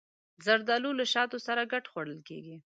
زردالو له شاتو سره ګډ خوړل کېږي.